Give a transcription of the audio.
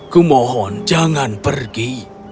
kumohon jangan pergi